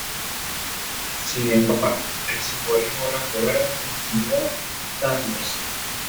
Sin embargo, el simbolismo blanco-verde continuó usándose.